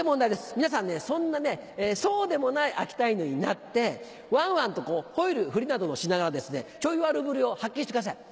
皆さんそうでもない秋田犬になって「ワンワン」と吠えるふりなどをしながらチョイ悪ぶりを発揮してください。